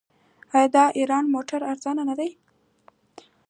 آیا د ایران موټرې ارزانه نه دي؟